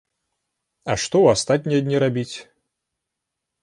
А што ў астатнія дні рабіць?